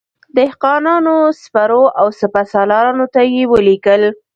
دهقانانو، سپرو او سپه سالارانو ته یې ولیکل.